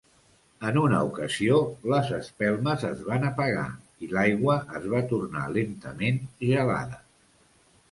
En una ocasió, les espelmes es van apagar i l'aigua es va tornar lentament gelada.